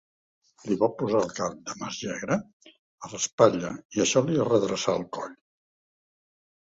Li va posar el cap de Mesgegra a l'espatlla i això li redreçà el coll.